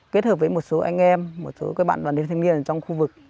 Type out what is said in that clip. kết hợp với một số anh em một số các bạn đoàn viên thanh niên trong khu vực